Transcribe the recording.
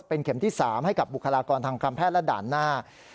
เป็นเข็มที่๓ให้กับบุคลากรทางการแพทย์และด่านหน้า